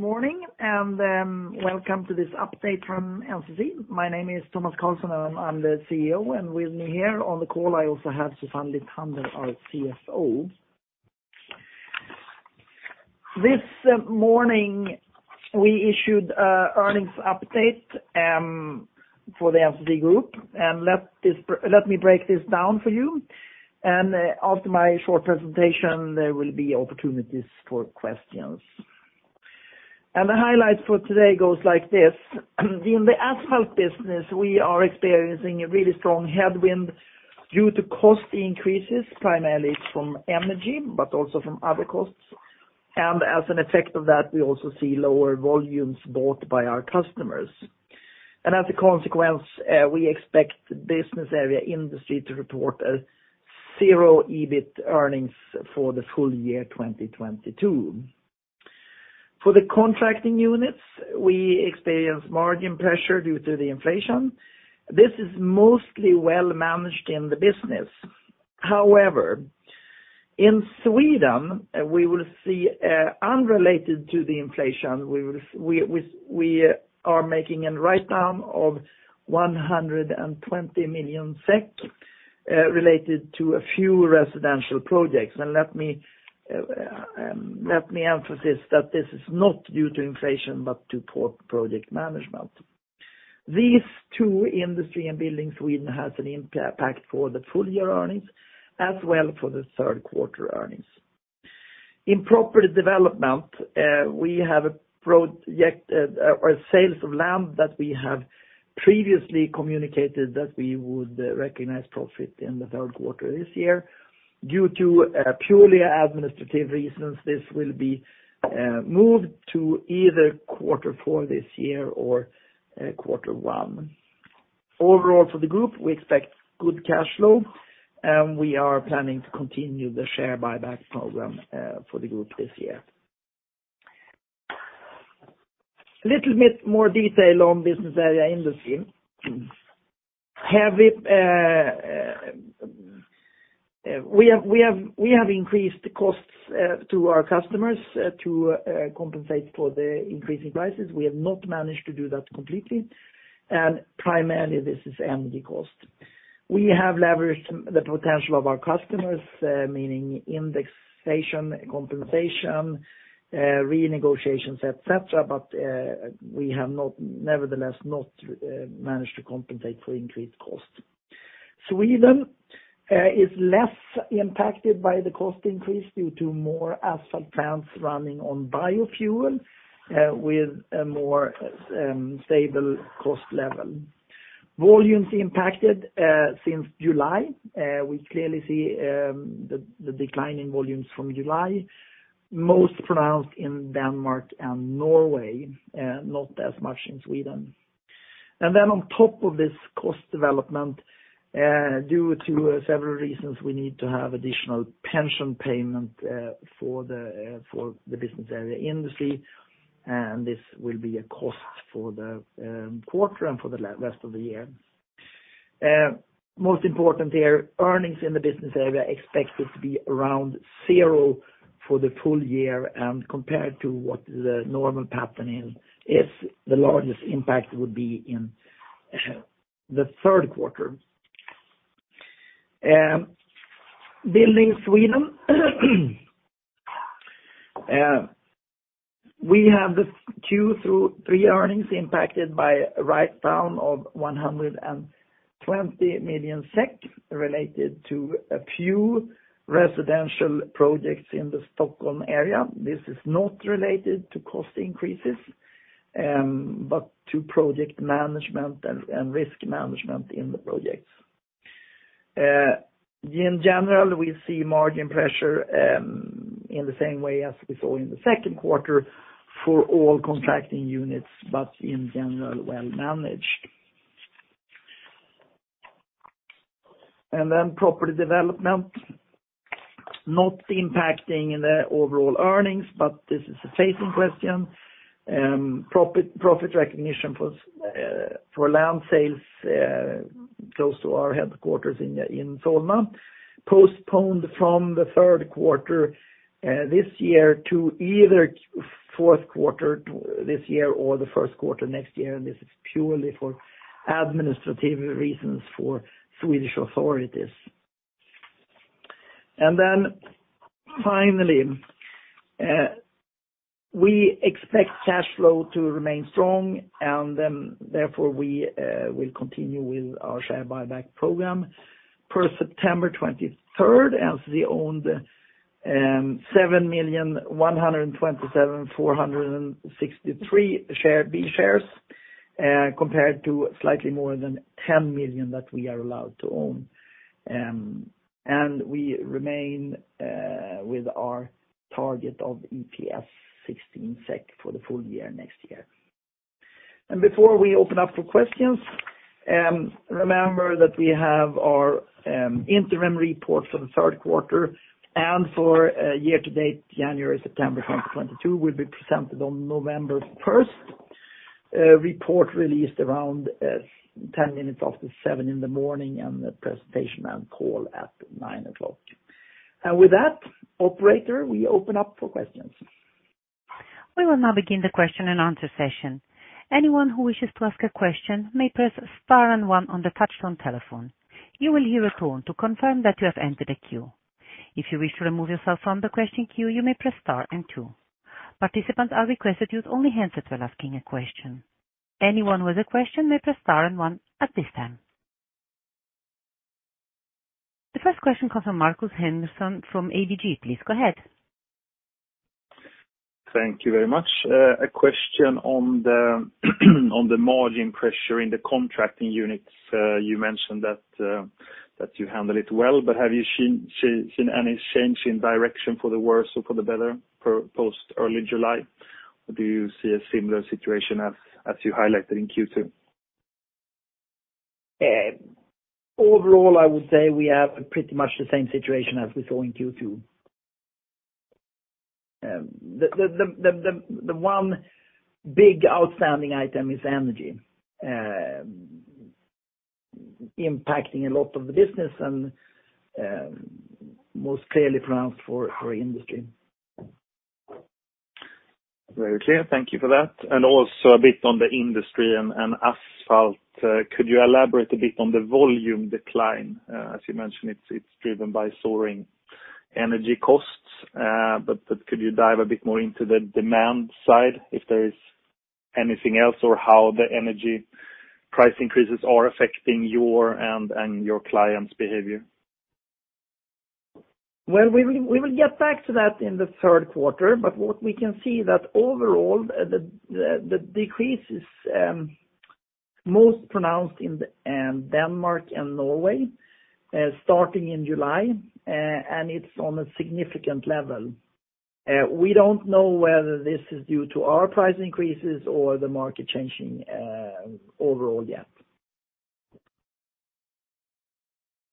Good morning and welcome to this update from NCC. My name is Tomas Carlsson, and I'm the CEO, and with me here on the call, I also have Susanne Lithander, our CFO. This morning, we issued an earnings update for the NCC Group. Let me break this down for you. After my short presentation, there will be opportunities for questions. The highlights for today goes like this. In the asphalt business, we are experiencing a really strong headwind due to cost increases, primarily from energy, but also from other costs. As an effect of that, we also see lower volumes bought by our customers. As a consequence, we expect the business area Industry to report a zero EBIT earnings for the full year 2022. For the contracting units, we experience margin pressure due to the inflation. This is mostly well managed in the business. However, in Sweden, we will see, unrelated to the inflation, we are making a write-down of 120 million SEK, related to a few residential projects. Let me emphasize that this is not due to inflation, but to poor project management. These two, Industry and Building Sweden, has an impact for the full year earnings, as well for the third quarter earnings. In property development, we have a project or sales of land that we have previously communicated that we would recognize profit in the third quarter this year. Due to purely administrative reasons, this will be moved to either quarter four this year or quarter one. Overall for the group, we expect good cash flow, and we are planning to continue the share buyback program for the group this year. A little bit more detail on business area Industry. We have increased costs to our customers to compensate for the increasing prices. We have not managed to do that completely, and primarily this is energy cost. We have leveraged the potential of our customers, meaning indexation, compensation, renegotiations, et cetera. We have not, nevertheless, managed to compensate for increased costs. Sweden is less impacted by the cost increase due to more asphalt plants running on biofuel with a more stable cost level. Volumes impacted since July. We clearly see the decline in volumes from July, most pronounced in Denmark and Norway, not as much in Sweden. On top of this cost development, due to several reasons, we need to have additional pension payment for the business area Industry, and this will be a cost for the quarter and for the rest of the year. Most important, their earnings in the business area are expected to be around zero for the full year and compared to what the normal pattern is, the largest impact would be in the third quarter. Building Sweden, we have the Q1 through Q3 earnings impacted by write-down of 120 million SEK related to a few residential projects in the Stockholm area. This is not related to cost increases, but to project management and risk management in the projects. In general, we see margin pressure in the same way as we saw in the second quarter for all contracting units, but in general, well managed. Property development, not impacting the overall earnings, but this is a phasing question. Profit recognition for land sales close to our headquarters in Solna, postponed from the third quarter this year to either fourth quarter this year or the first quarter next year. This is purely for administrative reasons for Swedish authorities. Finally, we expect cash flow to remain strong, and therefore we will continue with our share buyback program. Per September 23rd, NCC owned 7,127,463 B shares compared to slightly more than 10 million that we are allowed to own. We remain with our target of EPS 16 SEK for the full year next year. Before we open up for questions, remember that we have our interim report for the third quarter and for year to date, January-September 2022, will be presented on November 1st. A report released around 7:10 A.M., and the presentation and call at 9:00 A.M. With that, operator, we open up for questions. We will now begin the question-and-answer session. Anyone who wishes to ask a question may press star and one on the touchtone telephone. You will hear a tone to confirm that you have entered a queue. If you wish to remove yourself from the question queue, you may press star and two. Participants are requested to use only handsets when asking a question. Anyone with a question may press star and one at this time. The first question comes from Markus Henriksson from ABG. Please go ahead. Thank you very much. A question on the margin pressure in the contracting units. You mentioned that you handle it well, but have you seen any change in direction for the worse or for the better for post early July? Or do you see a similar situation as you highlighted in Q2? Overall, I would say we have pretty much the same situation as we saw in Q2. The one big outstanding item is energy, impacting a lot of the business and most clearly pronounced for industry. Very clear. Thank you for that. Also a bit on the industry and asphalt. Could you elaborate a bit on the volume decline? As you mentioned, it's driven by soaring energy costs. But could you dive a bit more into the demand side, if there is anything else, or how the energy price increases are affecting your and your clients' behavior? Well, we will get back to that in the third quarter, but what we can see that overall the decrease is most pronounced in Denmark and Norway, starting in July, and it's on a significant level. We don't know whether this is due to our price increases or the market changing, overall yet.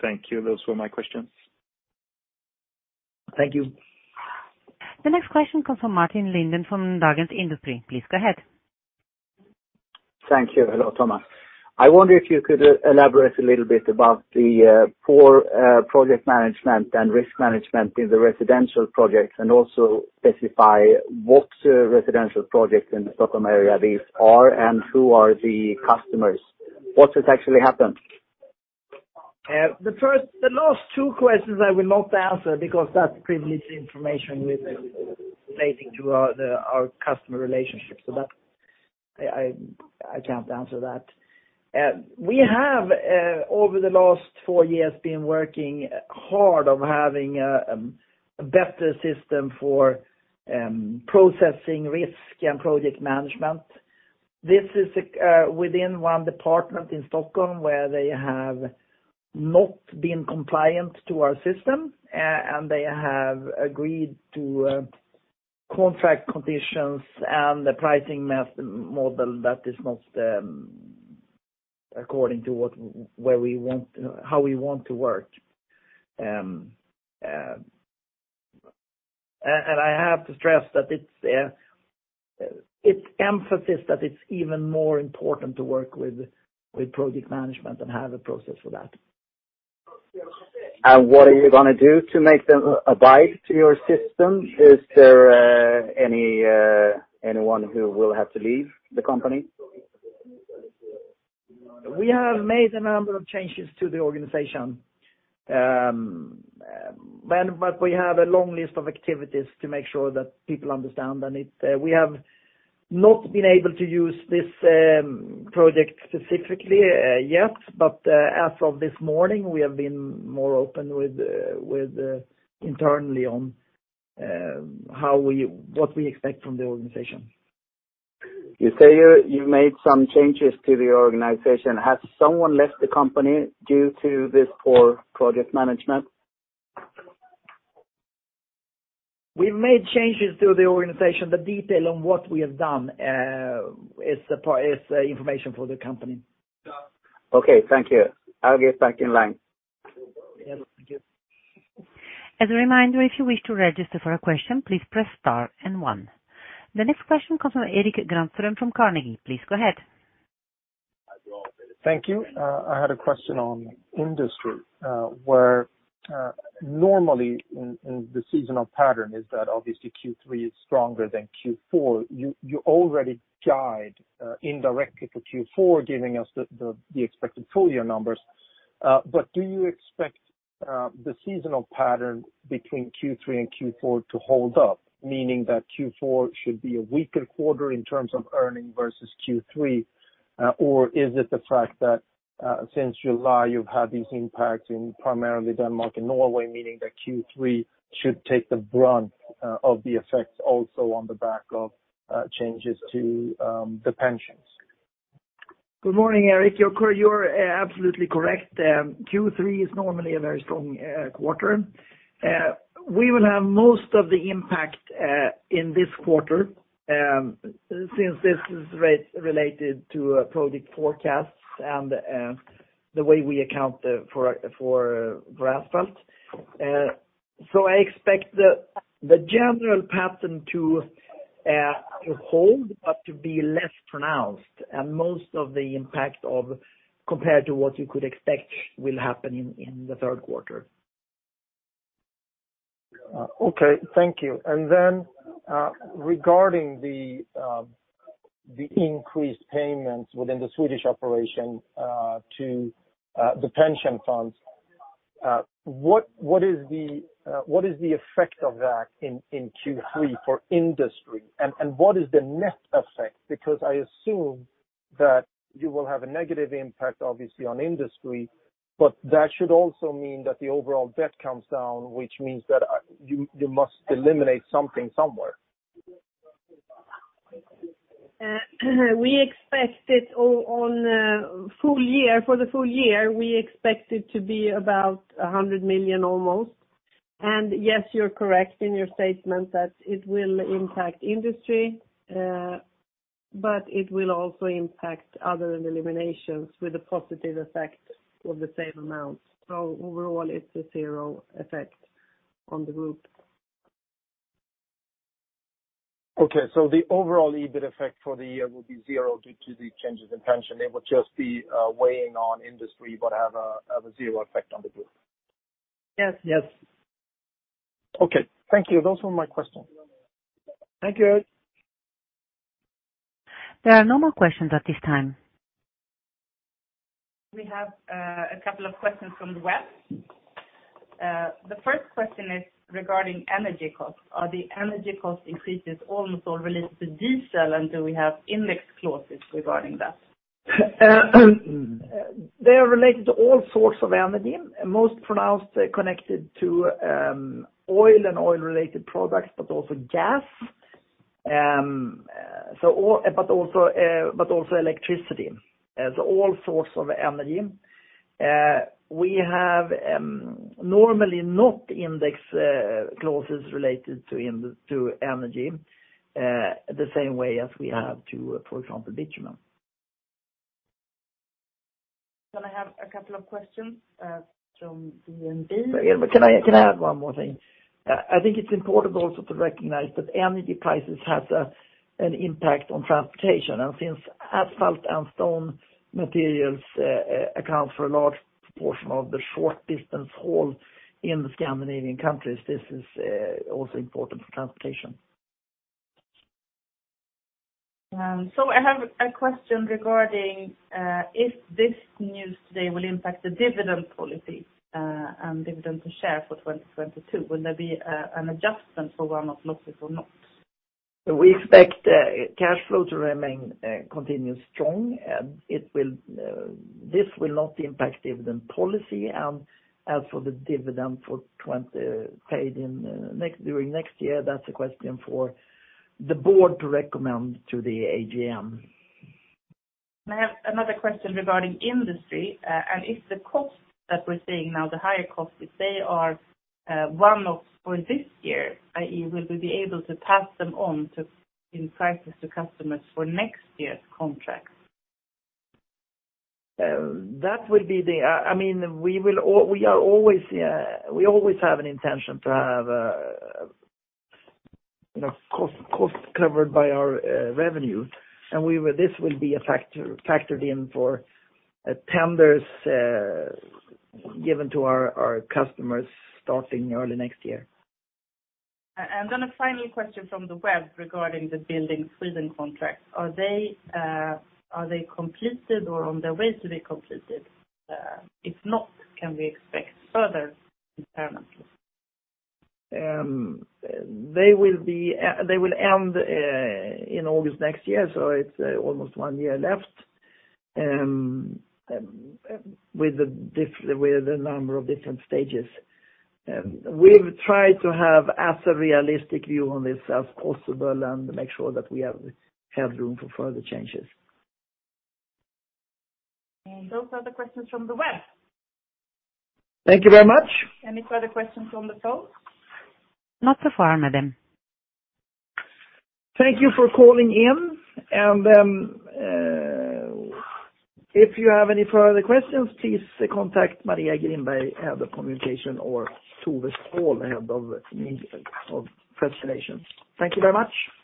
Thank you. Those were my questions. Thank you. The next question comes from Martin Lindgren from Dagens Industri. Please go ahead. Thank you. Hello, Tomas. I wonder if you could elaborate a little bit about the poor project management and risk management in the residential projects and also specify what residential projects in the Stockholm area these are and who are the customers. What has actually happened? The last two questions I will not answer because that's privileged information relating to our customer relationships. I can't answer that. We have over the last 4 years been working hard on having a better system for processing risk and project management. This is within one department in Stockholm, where they have not been compliant to our system, and they have agreed to contract conditions and the pricing model that is most according to what, where we want, how we want to work. I have to stress that it's emphasized that it's even more important to work with project management and have a process for that. What are you gonna do to make them abide to your system? Is there anyone who will have to leave the company? We have made a number of changes to the organization, but we have a long list of activities to make sure that people understand. We have not been able to use this project specifically yet, but as of this morning, we have been more open internally on what we expect from the organization. You say you made some changes to the organization. Has someone left the company due to this poor project management? We've made changes to the organization. The detail on what we have done is information for the company. Okay, thank you. I'll get back in line. Yeah. Thank you. As a reminder, if you wish to register for a question, please press star and one. The next question comes from Erik Granström from Carnegie. Please go ahead. Thank you. I had a question on industry, where normally in the seasonal pattern is that obviously Q3 is stronger than Q4. You already guide indirectly for Q4, giving us the expected full year numbers. Do you expect the seasonal pattern between Q3 and Q4 to hold up, meaning that Q4 should be a weaker quarter in terms of earnings versus Q3, or is it the fact that since July you've had these impacts in primarily Denmark and Norway, meaning that Q3 should take the brunt of the effects also on the back of changes to the pensions? Good morning, Erik. You're absolutely correct. Q3 is normally a very strong quarter. We will have most of the impact in this quarter, since this is related to product forecasts and the way we account for asphalt. I expect the general pattern to hold, but to be less pronounced and most of the impact compared to what you could expect will happen in the third quarter. Okay. Thank you. Regarding the increased payments within the Swedish operation to the pension funds, what is the effect of that in Q3 for EBIT? What is the net effect? Because I assume that you will have a negative impact obviously on EBIT, but that should also mean that the overall debt comes down, which means that you must eliminate something somewhere. For the full year, we expect it to be about 100 million almost. Yes, you're correct in your statement that it will impact industry, but it will also impact other eliminations with a positive effect of the same amount. Overall it's a zero effect on the group. Okay. The overall EBIT effect for the year will be zero due to the changes in pension. It will just be weighing on industry but have a zero effect on the group. Yes. Yes. Okay. Thank you. Those were my questions. Thank you. There are no more questions at this time. We have a couple of questions from the web. The first question is regarding energy costs. Are the energy cost increases also related to diesel, and do we have index clauses regarding that? They are related to all sorts of energy, most pronounced connected to oil and oil related products, but also gas, but also electricity as all sorts of energy. We have normally not index clauses related to energy the same way as we have too, for example, bitumen. I have a couple of questions from DNB. Can I add one more thing? I think it's important also to recognize that energy prices has an impact on transportation. Since asphalt and stone materials account for a large portion of the short distance haul in the Scandinavian countries, this is also important for transportation. I have a question regarding if this news today will impact the dividend policy and dividend per share for 2022. Will there be an adjustment for one-off losses or not? We expect cash flow to remain strong. This will not impact dividend policy. As for the dividend for 2020 paid in during next year, that's a question for the board to recommend to the AGM. I have another question regarding industry, and if the costs that we're seeing now, the higher costs, if they are, one-offs for this year, i.e., will we be able to pass them on in prices to customers for next year's contracts? I mean, we always have an intention to have, you know, cost covered by our revenue. This will be factored in for tenders given to our customers starting early next year. A final question from the web regarding the Building Sweden contracts. Are they completed or on their way to be completed? If not, can we expect further impairments? They will end in August next year, so it's almost one year left with a number of different stages. We've tried to have as a realistic view on this as possible and make sure that we have room for further changes. Those are the questions from the web. Thank you very much. Any further questions from the phone? Not so far, madam. Thank you for calling in. If you have any further questions, please contact Maria Grimberg, Head of Communication, or Tove Stål, Head of Presentations. Thank you very much.